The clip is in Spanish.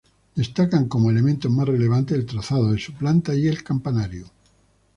Destacan como elementos más relevantes el trazado de su planta y el campanario.